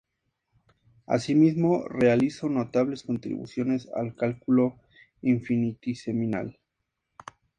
Así mismo, realizó notables contribuciones al cálculo infinitesimal.